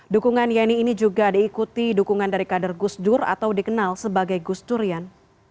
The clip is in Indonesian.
dukungan yeni ini juga diikuti dukungan dari kader gus dur atau dikenal sebagai gus durian